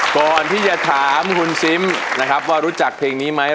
ก่อนที่จะถามคุณซิมนะครับว่ารู้จักเพลงนี้ไหม